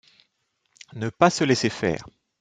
Ne pas se laisser faire.